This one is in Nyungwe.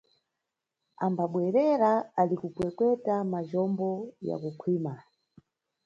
Ambabwerera ali kukwekweta majombo ya kukhwima.